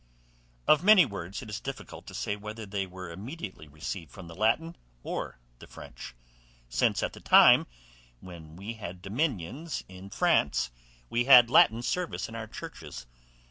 Of many words it is difficult to say whether they were immediately received from the Latin or the French, since at the time when we had dominions in France, we had Latin service in our churches.